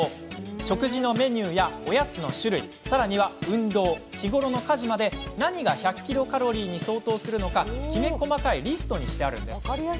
食事のメニューやおやつの種類さらには運動、日頃の家事まで何が１００ｋｃａｌに相当するのかきめ細かいリストにしてあるのです。